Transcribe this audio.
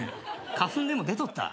花粉でも出とった？